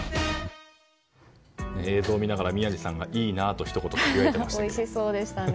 映像を見ながら、宮司さんがいいなあとひと言、つぶやいていました。